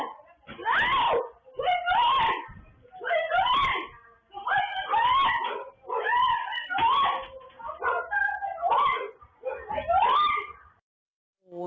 ช่วยด้วยช่วยด้วย